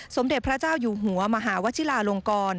สมเด็จพระเจ้าอยู่หัวมหาวชิลาลงกร